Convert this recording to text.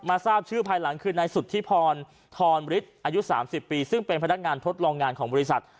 ทราบชื่อภายหลังคือนายสุธิพรทรฤทธิ์อายุ๓๐ปีซึ่งเป็นพนักงานทดลองงานของบริษัท